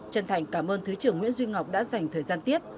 chân thành cảm ơn thứ trưởng nguyễn duy ngọc đã dành thời gian tiết